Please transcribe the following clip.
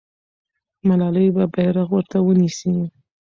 ملالۍ به بیرغ ورته ونیسي.